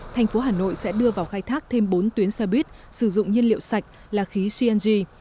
thành phố hà nội sẽ đưa vào khai thác thêm bốn tuyến xe buýt sử dụng nhiên liệu sạch là khí cng